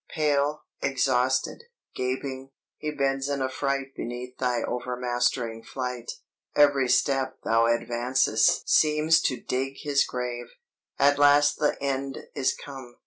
Pale, exhausted, gaping, he bends in affright beneath thy overmastering flight; every step thou advancest seems to dig his grave. At last the end is come